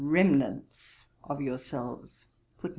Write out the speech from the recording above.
remnants of yourselves!"'